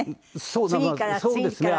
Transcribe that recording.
そうですね。